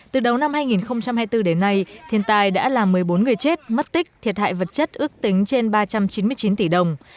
từ đầu năm hai nghìn hai mươi bốn đến nay thiên tai đã làm một mươi bốn người chết mất tích thiệt hại vật chất ước tính trên ba trăm chín mươi chín tỷ đồng